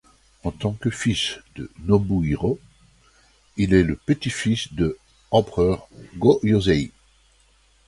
En tant que fils de Nobuhiro, il est le petit-fils de empereur Go-Yōzei.